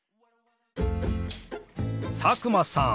佐久間さん